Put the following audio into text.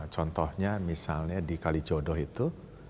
contohnya misalnya di kalijodo itu